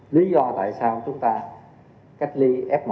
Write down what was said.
lý do tại sao chúng ta cách ly f một